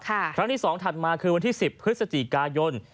ครั้งที่๒ถัดมาคือวันที่๑๐พฤศจิกายน